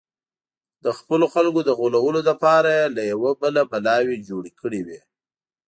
د خپلو خلکو د غولولو لپاره یې له یوه بله بلاوې جوړې کړې وې.